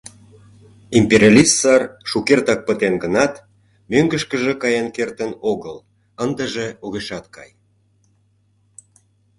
Империалист сар шукертак пытен гынат, мӧҥгышкыжӧ каен кертын огыл, ындыже огешат кай.